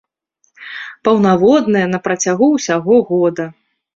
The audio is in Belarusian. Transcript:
Паўнаводная на працягу ўсяго года.